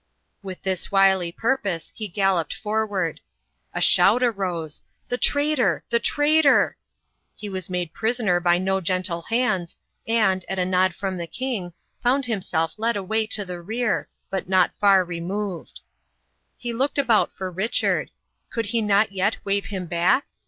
With this wily purpose, he galloped forward. A shout arose, "The traitor! The traitor!" He was made prisoner by no gentle hands, and, at a nod from the king, found himself led away to the rear, but not far removed. He looked about for Richard. Could he not yet wave him back?